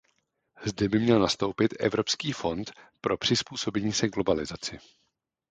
Zde by měl nastoupit Evropský fond pro přizpůsobení se globalizaci.